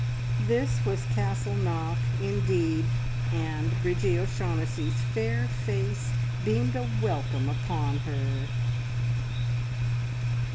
This was Castle Knock indeed, and Bridgie O'Shaughnessy's fair face beamed a welcome upon her.